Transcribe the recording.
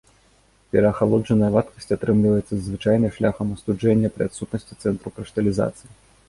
Пераахалоджаная вадкасць атрымліваецца з звычайнай шляхам астуджэння пры адсутнасці цэнтраў крышталізацыі.